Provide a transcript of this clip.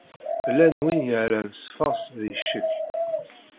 Llan wid yerran ṣṣfa-s di ccekk.